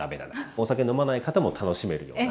お酒飲まない方も楽しめるような。